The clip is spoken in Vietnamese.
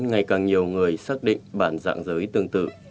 ngày càng nhiều người xác định bản dạng giới tương tự